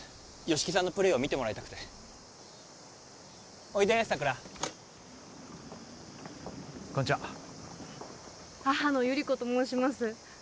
吉木さんのプレーを見てもらいたくておいで桜こんにちは母の百合子と申します